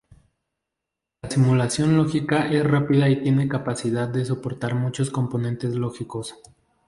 La simulación lógica es rápida y tiene la capacidad de soportar muchos componentes lógicos.